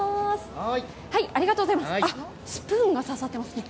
スプーンが刺さっていますね。